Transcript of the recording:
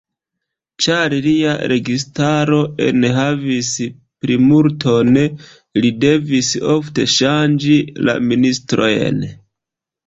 Ĉar lia registaro en havis plimulton, li devis ofte ŝanĝi la ministrojn.